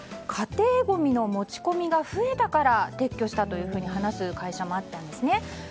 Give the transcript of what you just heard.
家庭ごみの持ち込みが増えたから撤去したと話す会社もあったんですね。